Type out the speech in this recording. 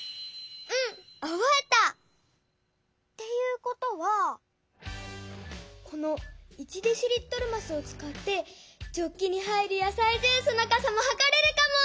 うんおぼえた！っていうことはこの１デシリットルますをつかってジョッキに入るやさいジュースのかさもはかれるかも！